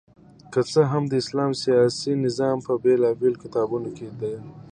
که څه هم د اسلام سياسي نظام په بيلابېلو کتابونو کي دا دندي